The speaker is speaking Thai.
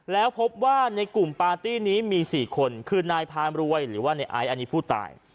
แล้วพบว่าในกลุ่มปาร์ตี้นี้มี๔คนคือนายพานรวยหรือว่าในไอซ์อันนี้ผู้ตาย